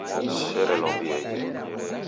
Serelombieghe